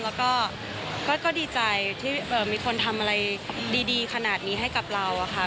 แล้วก็ดีใจที่มีคนทำอะไรดีขนาดนี้ให้กับเราอะค่ะ